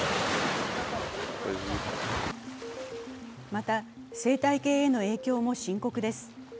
また、生態系への影響も深刻です。